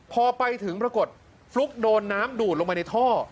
พอไปถึงปรากฏฟลุ๊กโดนน้ำดูดลงไปในท่อ